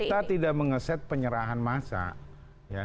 kita tidak mengeset penyerahan massa